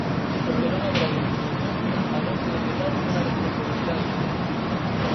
Porque non haberá indemnizacións ao non se decretar unha responsabilidade civil.